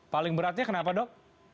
paling beratnya kenapa dok